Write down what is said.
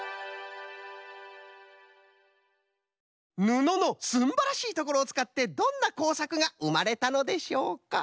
ぬののすんばらしいところをつかってどんなこうさくがうまれたのでしょうか？